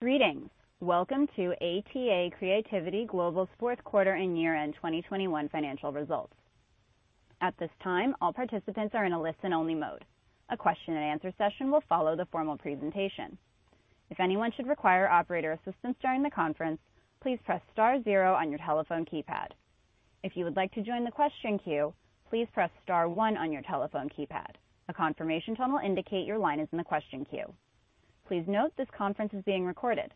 Greetings. Welcome to ATA Creativity Global's fourth quarter and year-end 2021 financial results. At this time, all participants are in a listen-only mode. A question-and-answer session will follow the formal presentation. If anyone should require operator assistance during the conference, please press star zero on your telephone keypad. If you would like to join the question queue, please press star one on your telephone keypad. A confirmation tone will indicate your line is in the question queue. Please note this conference is being recorded.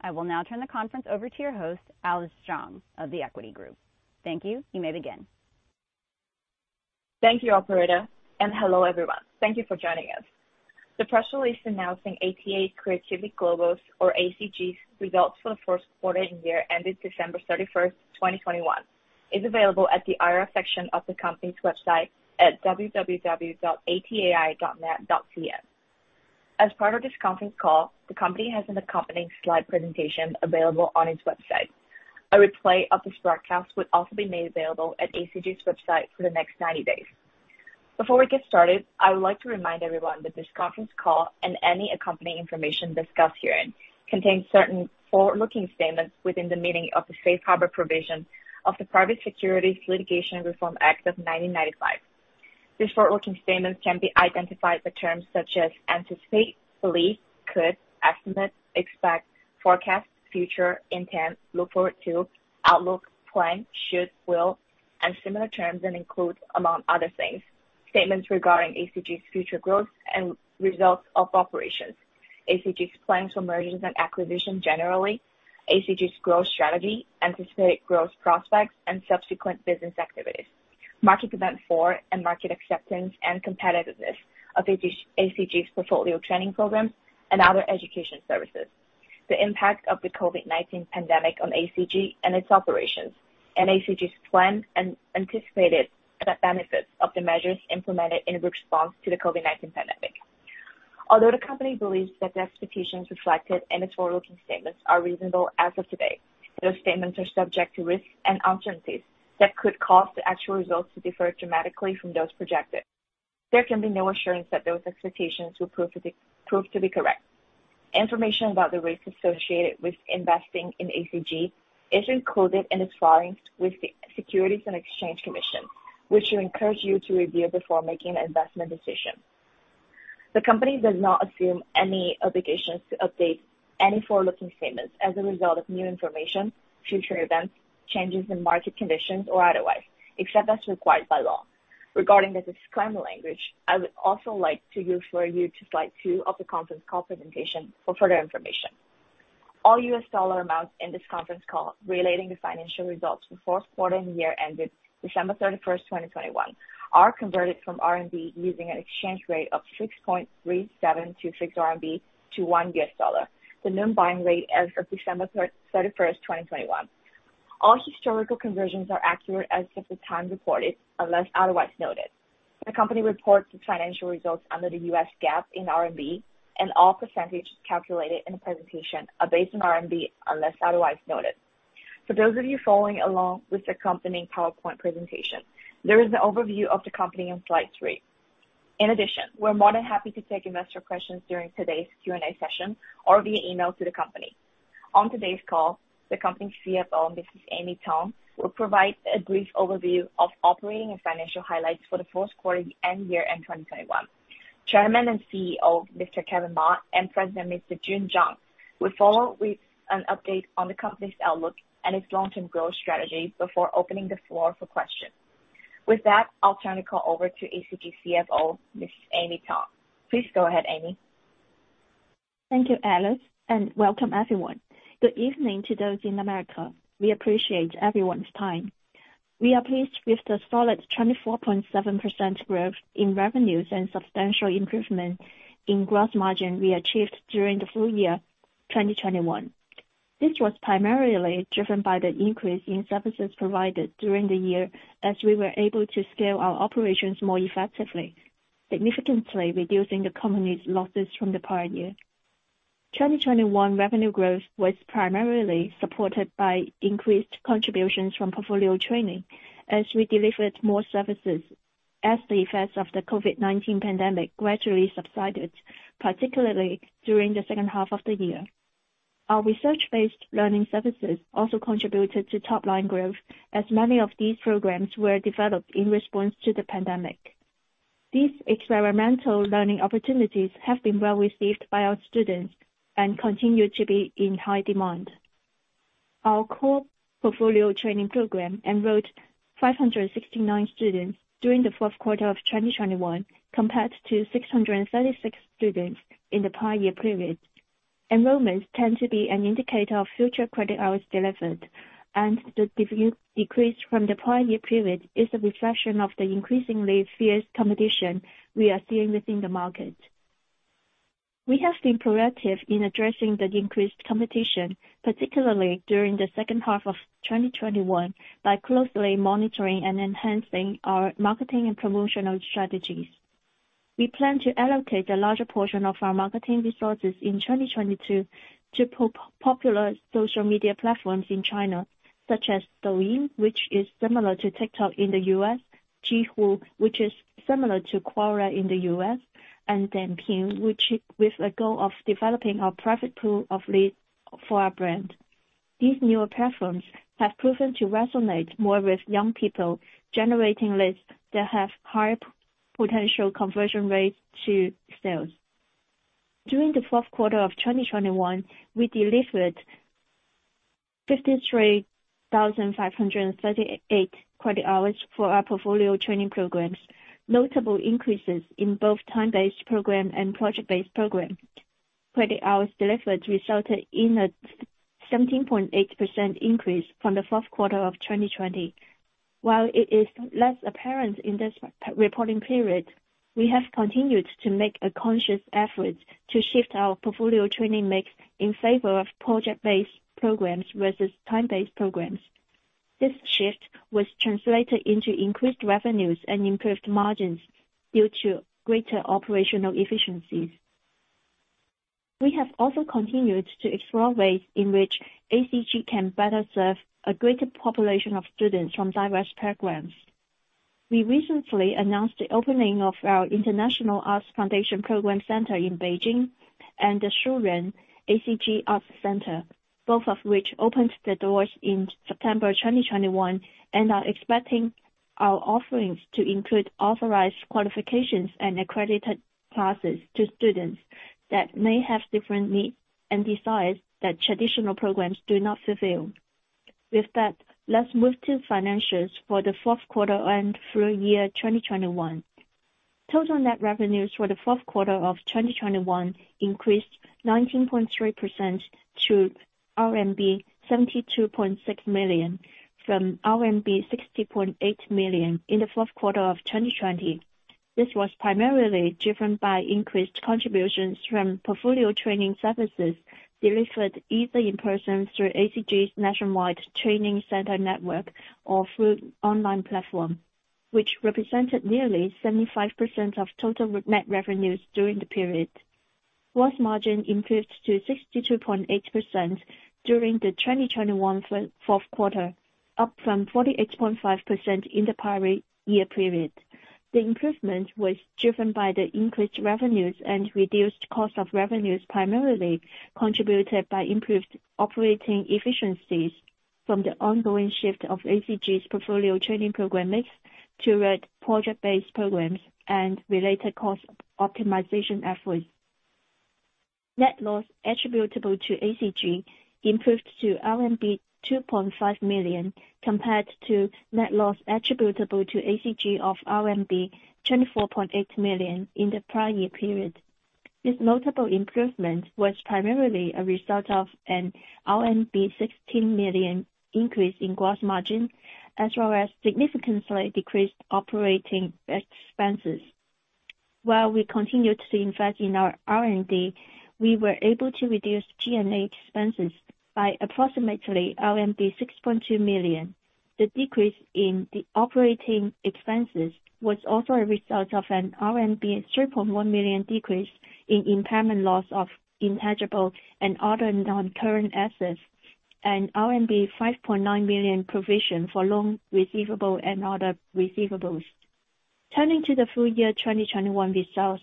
I will now turn the conference over to your host, Alice Zhang of The Equity Group. Thank you. You may begin. Thank you, operator, and hello, everyone. Thank you for joining us. The press release announcing ATA Creativity Global's, or ACG's, results for the first quarter and year ended December 31st, 2021 is available at the IR section of the company's website at www.atai.net.cn. As part of this conference call, the company has an accompanying slide presentation available on its website. A replay of this broadcast will also be made available at ACG's website for the next 90 days. Before we get started, I would like to remind everyone that this conference call and any accompanying information discussed herein contains certain forward-looking statements within the meaning of the safe harbor provision of the Private Securities Litigation Reform Act of 1995. These forward-looking statements can be identified by terms such as anticipate, believe, could, estimate, expect, forecast, future, intent, look forward to, outlook, plan, should, will, and similar terms, and include, among other things, statements regarding ACG's future growth and results of operations, ACG's plans for mergers and acquisitions generally, ACG's growth strategy, anticipated growth prospects and subsequent business activities, market demand for and market acceptance and competitiveness of ACG's portfolio training programs and other education services, the impact of the COVID-19 pandemic on ACG and its operations, and ACG's plan and anticipated benefits of the measures implemented in response to the COVID-19 pandemic. Although the company believes that the expectations reflected in its forward-looking statements are reasonable as of today, those statements are subject to risks and uncertainties that could cause the actual results to differ dramatically from those projected. There can be no assurance that those expectations will prove to be correct. Information about the risks associated with investing in ACG is included in its filings with the Securities and Exchange Commission, which we encourage you to review before making an investment decision. The company does not assume any obligations to update any forward-looking statements as a result of new information, future events, changes in market conditions, or otherwise, except as required by law. Regarding this disclaimer language, I would also like to refer you to slide two of the conference call presentation for further information. All U.S. dollar amounts in this conference call relating to financial results for the fourth quarter and year ended December 31, 2021, are converted from RMB using an exchange rate of 6.3726 RMB to $1, the noon buying rate as of December 31, 2021. All historical conversions are accurate as of the time reported, unless otherwise noted. The company reports its financial results under the U.S. GAAP in RMB, and all percentages calculated in the presentation are based on RMB, unless otherwise noted. For those of you following along with the accompanying PowerPoint presentation, there is an overview of the company on slide three. In addition, we're more than happy to take investor questions during today's Q&A session or via email to the company. On today's call, the company's CFO, Mrs. Amy Tung will provide a brief overview of operating and financial highlights for the fourth quarter and year-end 2021. Chairman and CEO, Mr. Kevin Ma, and President, Mr. Jun Zhang, will follow with an update on the company's outlook and its long-term growth strategy before opening the floor for questions. With that, I'll turn the call over to ACG CFO, Mrs. Amy Tung. Please go ahead, Amy. Thank you, Alice, and welcome everyone. Good evening to those in America. We appreciate everyone's time. We are pleased with the solid 24.7% growth in revenues and substantial improvement in gross margin we achieved during the full year 2021. This was primarily driven by the increase in services provided during the year as we were able to scale our operations more effectively, significantly reducing the company's losses from the prior year. 2021 revenue growth was primarily supported by increased contributions from portfolio training as we delivered more services as the effects of the COVID-19 pandemic gradually subsided, particularly during the second half of the year. Our research-based learning services also contributed to top-line growth, as many of these programs were developed in response to the pandemic. These experimental learning opportunities have been well-received by our students and continue to be in high demand. Our core portfolio training program enrolled 569 students during the fourth quarter of 2021, compared to 636 students in the prior year period. Enrollments tend to be an indicator of future credit hours delivered, and the decrease from the prior year period is a reflection of the increasingly fierce competition we are seeing within the market. We have been proactive in addressing the increased competition, particularly during the second half of 2021, by closely monitoring and enhancing our marketing and promotional strategies. We plan to allocate a larger portion of our marketing resources in 2022 to popular social media platforms in China. Such as Douyin, which is similar to TikTok in the U.S., Zhihu, which is similar to Quora in the U.S., and then Ping, which, with a goal of developing a private pool of leads for our brand. These newer platforms have proven to resonate more with young people, generating leads that have higher potential conversion rates to sales. During the fourth quarter of 2021, we delivered 53,538 credit hours for our portfolio training programs, notable increases in both time-based program and project-based program. Credit hours delivered resulted in a 17.8% increase from the fourth quarter of 2020. While it is less apparent in this reporting period, we have continued to make a conscious effort to shift our portfolio training mix in favor of project-based programs versus time-based programs. This shift was translated into increased revenues and improved margins due to greater operational efficiencies. We have also continued to explore ways in which ACG can better serve a greater population of students from diverse backgrounds. We recently announced the opening of our ACG International Arts Foundation Program Center in Beijing and the Shuren-ACG Arts Center, both of which opened their doors in September 2021 and are expecting our offerings to include authorized qualifications and accredited classes to students that may have different needs and desires that traditional programs do not fulfill. With that, let's move to financials for the fourth quarter and full year 2021. Total net revenues for the fourth quarter of 2021 increased 19.3% to RMB 72.6 million, from RMB 60.8 million in the fourth quarter of 2020. This was primarily driven by increased contributions from portfolio training services delivered either in person through ACG's nationwide training center network or through online platform, which represented nearly 75% of total net revenues during the period. Gross margin improved to 62.8% during the 2021 fourth quarter, up from 48.5% in the prior year period. The improvement was driven by the increased revenues and reduced cost of revenues, primarily contributed by improved operating efficiencies from the ongoing shift of ACG's portfolio training program mix toward project-based programs and related cost optimization efforts. Net loss attributable to ACG improved to 2.5 million, compared to net loss attributable to ACG of RMB 24.8 million in the prior year period. This notable improvement was primarily a result of an RMB 16 million increase in gross margin, as well as significantly decreased operating expenses. While we continued to invest in our R&D, we were able to reduce G&A expenses by approximately RMB 6.2 million. The decrease in the operating expenses was also a result of an RMB 3.1 million decrease in impairment loss of intangible and other non-current assets and RMB 5.9 million provision for loan receivable and other receivables. Turning to the full year 2021 results.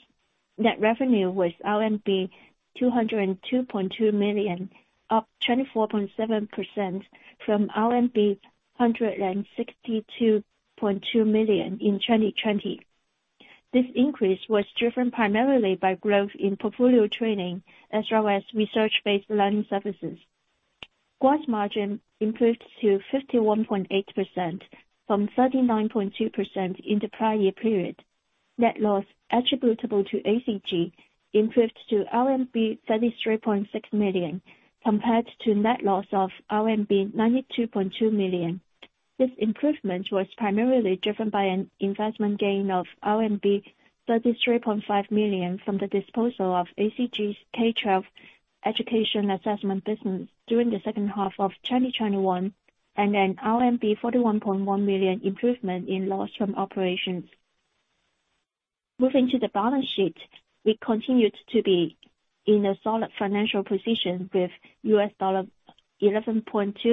Net revenue was RMB 202.2 million, up 24.7% from RMB 162.2 million in 2020. This increase was driven primarily by growth in portfolio training as well as research-based learning services. Gross margin improved to 51.8% from 39.2% in the prior year period. Net loss attributable to ACG improved to RMB 33.6 million, compared to net loss of RMB 92.2 million. This improvement was primarily driven by an investment gain of RMB 33.5 million from the disposal of ACG's K-12 education assessment business during the second half of 2021, and an RMB 41.1 million improvement in loss from operations. Moving to the balance sheet. We continued to be in a solid financial position with $11.2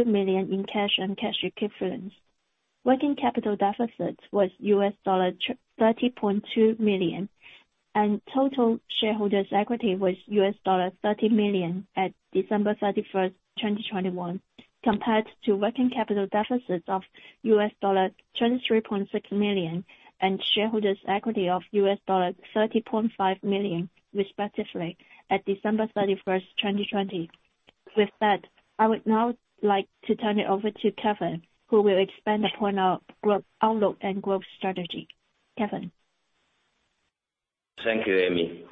million in cash and cash equivalents. Working capital deficit was $30.2 million, and total shareholders' equity was $30 million at December 31st, 2021, compared to working capital deficit of $23.6 million and shareholders' equity of $30.5 million, respectively, at December 31st, 2020. With that, I would now like to turn it over to Kevin, who will expand upon our growth outlook and growth strategy. Kevin? Thank you, Amy.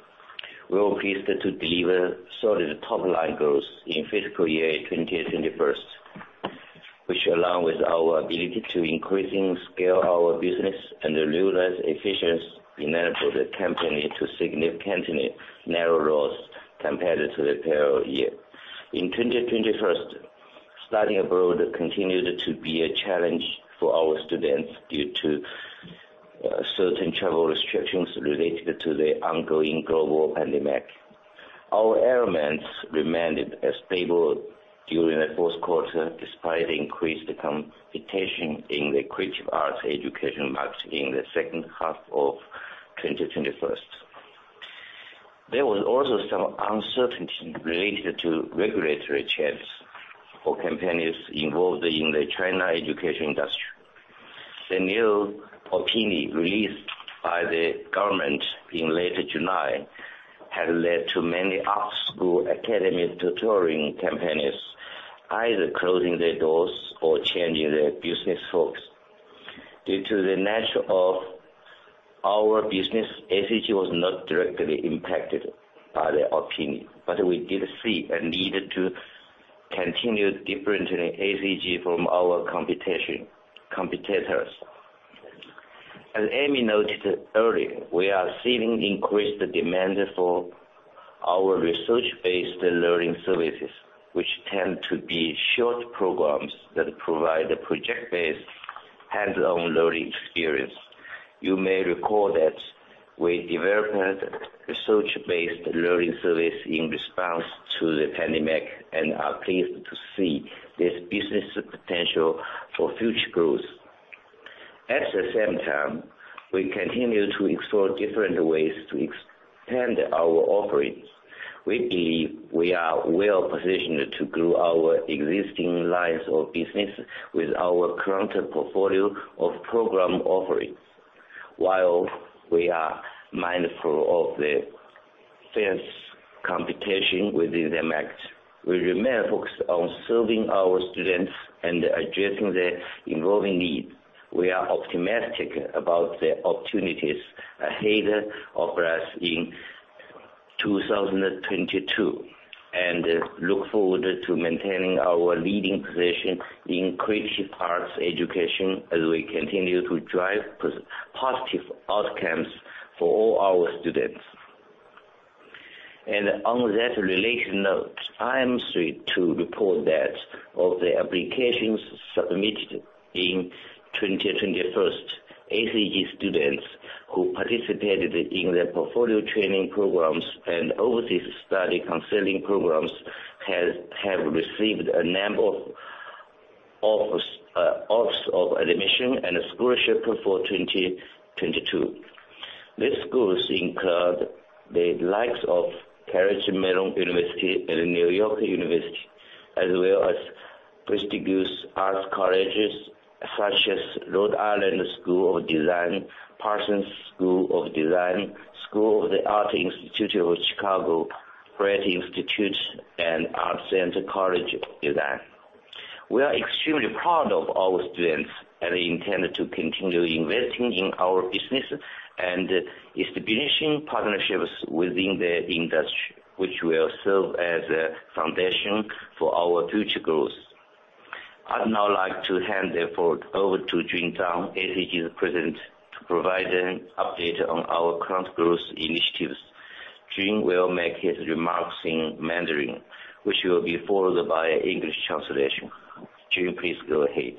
We are pleased to deliver solid top-line growth in fiscal year 2021, which along with our ability to increasing scale our business and realize efficiency enabled the company to significantly narrow loss compared to the prior year. In 2021, studying abroad continued to be a challenge for our students due to certain travel restrictions related to the ongoing global pandemic. Our enrollments remained stable during the fourth quarter despite increased competition in the creative arts education market in the second half of 2021. There was also some uncertainty related to regulatory changes for companies involved in the China education industry. The new opinion released by the government in late July has led to many art school academy tutoring companies either closing their doors or changing their business focus. Due to the nature of our business ACG was not directly impacted by the opinion, but we did see a need to continue differentiating ACG from our competitors. As Amy noted earlier, we are seeing increased demand for our research-based learning services, which tend to be short programs that provide a project-based hands-on learning experience. You may recall that we developed research-based learning service in response to the pandemic, and are pleased to see this business potential for future growth. At the same time, we continue to explore different ways to expand our offerings. We believe we are well positioned to grow our existing lines of business with our current portfolio of program offerings. While we are mindful of the fierce competition within the market, we remain focused on serving our students and addressing their evolving needs. We are optimistic about the opportunities ahead of us in 2022, and look forward to maintaining our leading position in creative arts education as we continue to drive positive outcomes for all our students. On that related note, I am pleased to report that of the applications submitted in 2021, ACG students who participated in the portfolio training programs and overseas study counseling programs have received a number of offers of admission and a scholarship for 2022. These schools include the likes of Carnegie Mellon University and New York University, as well as prestigious arts colleges such as Rhode Island School of Design, Parsons School of Design, School of the Art Institute of Chicago, Pratt Institute, and ArtCenter College of Design. We are extremely proud of our students and intend to continue investing in our business and establishing partnerships within the industry, which will serve as a foundation for our future growth. I'd now like to hand the floor over to Jun Zhang, ACG President, to provide an update on our current growth initiatives. Jun will make his remarks in Mandarin, which will be followed by an English translation. Jun, please go ahead.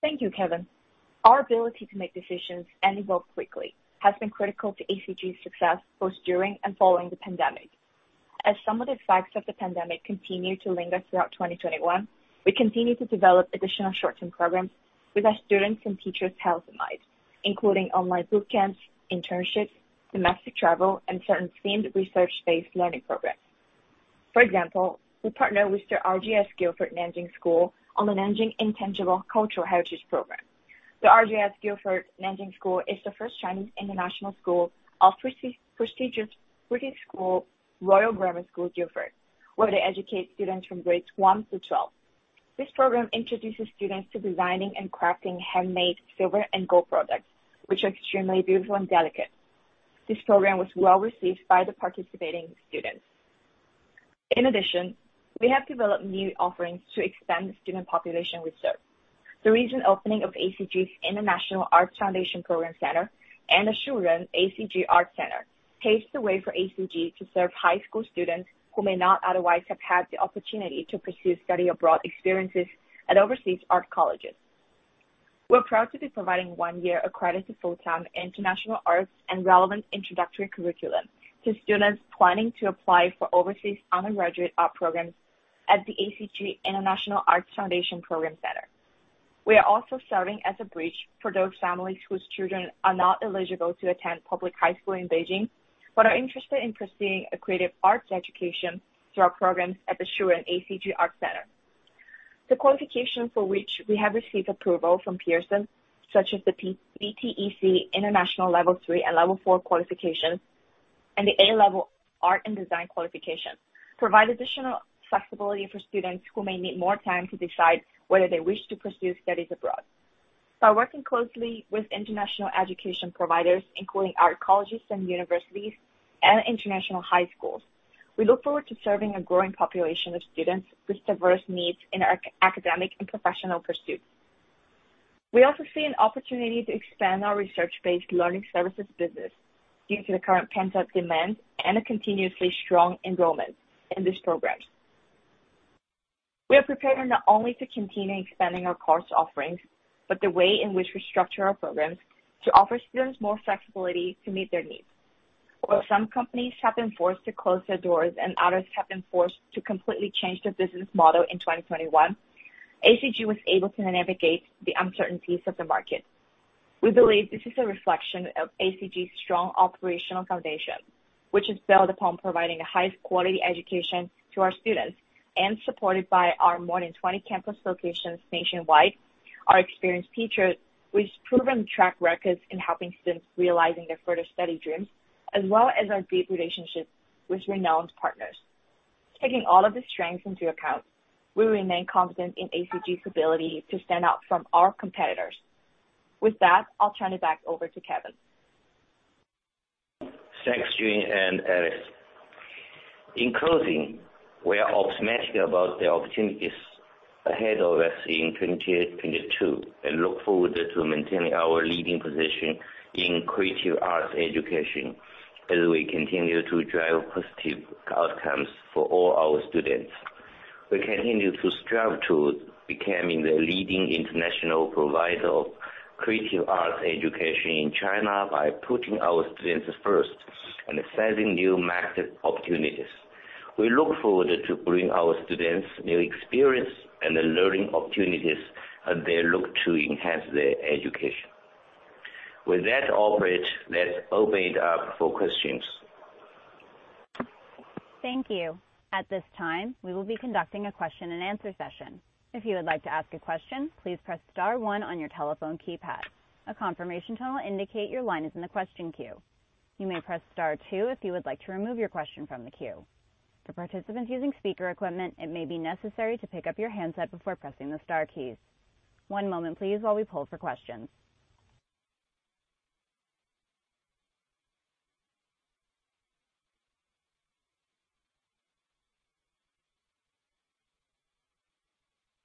Thank you Kevin. Our ability to make decisions and evolve quickly has been critical to ACG's success both during and following the pandemic. As some of the effects of the pandemic continue to linger throughout 2021, we continue to develop additional short-term programs with our students' and teachers' health in mind, including online boot camps, internships, domestic travel, and certain themed research-based learning programs. For example, we partner with the RGS Guildford Nanjing School on the Nanjing Intangible Cultural Heritage program. The RGS Guildford Nanjing School is the first Chinese international school of prestigious British school, Royal Grammar School, Guildford, where they educate students from grades 1-12. This program introduces students to designing and crafting handmade silver and gold products, which are extremely beautiful and delicate. This program was well received by the participating students. In addition, we have developed new offerings to expand the student population we serve. The recent opening of ACG's ACG International Arts Foundation Program Center and the Shuren-ACG Arts Center paves the way for ACG to serve high school students who may not otherwise have had the opportunity to pursue study abroad experiences at overseas art colleges. We're proud to be providing one year accredited full-time international arts and relevant introductory curriculum to students planning to apply for overseas undergraduate art programs at the ACG International Arts Foundation Program Center. We are also serving as a bridge for those families whose children are not eligible to attend public high school in Beijing, but are interested in pursuing a creative arts education through our programs at the Shuren-ACG Arts Center. The qualification for which we have received approval from Pearson, such as the BTEC International Level 3 and Level 4 qualifications, and the A Level Art and Design qualifications, provide additional flexibility for students who may need more time to decide whether they wish to pursue studies abroad. By working closely with international education providers, including art colleges and universities and international high schools, we look forward to serving a growing population of students with diverse needs in academic and professional pursuits. We also see an opportunity to expand our research-based learning services business due to the current pent-up demand and a continuously strong enrollment in these programs. We are preparing not only to continue expanding our course offerings, but the way in which we structure our programs to offer students more flexibility to meet their needs. While some companies have been forced to close their doors and others have been forced to completely change their business model in 2021, ACG was able to navigate the uncertainties of the market. We believe this is a reflection of ACG's strong operational foundation, which is built upon providing the highest quality education to our students and supported by our more than 20 campus locations nationwide, our experienced teachers with proven track records in helping students realizing their further study dreams, as well as our deep relationships with renowned partners. Taking all of the strengths into account, we remain confident in ACG's ability to stand out from our competitors. With that, I'll turn it back over to Kevin. Thanks, Jun and Alice. In closing, we are optimistic about the opportunities ahead of us in 2022, and look forward to maintaining our leading position in creative arts education as we continue to drive positive outcomes for all our students. We continue to strive to becoming the leading international provider of creative arts education in China by putting our students first and assessing new market opportunities. We look forward to bring our students new experience and learning opportunities as they look to enhance their education. With that operator, let's open it up for questions. Thank you. At this time, we will be conducting a question-and-answer session. If you would like to ask a question, please press star one on your telephone keypad. A confirmation tone will indicate your line is in the question queue. You may press star two if you would like to remove your question from the queue. For participants using speaker equipment, it may be necessary to pick up your handset before pressing the star keys. One moment please while we pull for questions.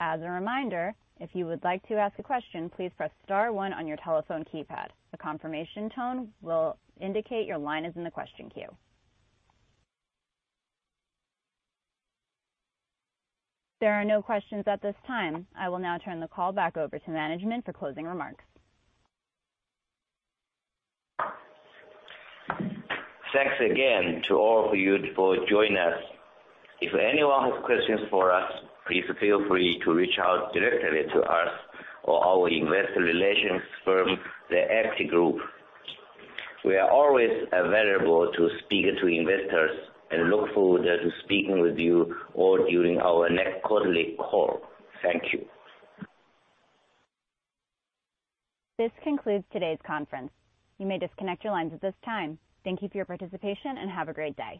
As a reminder, if you would like to ask a question, please press star one on your telephone keypad. A confirmation tone will indicate your line is in the question queue. There are no questions at this time. I will now turn the call back over to management for closing remarks. Thanks again to all of you for joining us. If anyone has questions for us, please feel free to reach out directly to us or our investor relations firm, The Equity Group. We are always available to speak to investors and look forward to speaking with you all during our next quarterly call. Thank you. This concludes today's conference. You may disconnect your lines at this time. Thank you for your participation and have a great day.